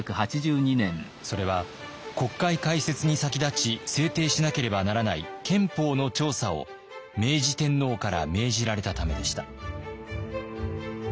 それは国会開設に先立ち制定しなければならない憲法の調査を明治天皇から命じられたためでした。